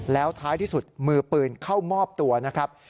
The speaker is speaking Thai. แล้วท้ายที่สุดมือปืนเข้ามอบตัวนะครับ